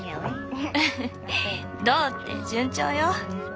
フフッどうって順調よ。